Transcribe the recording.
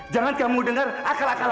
jangan kamu dengar akal akal